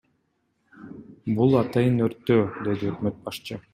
Бул атайын өрттөө, — деди өкмөт башчы.